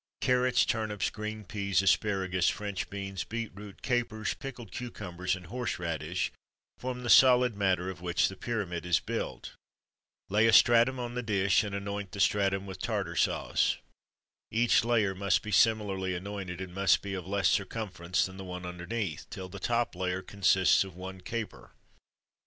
Carrots, turnips, green peas, asparagus, French beans, beetroot, capers, pickled cucumbers, and horse radish, form the solid matter of which the pyramid is built. Lay a stratum on the dish, and anoint the stratum with Tartare sauce. Each layer must be similarly anointed, and must be of less circumference than the one underneath, till the top layer consists of one caper.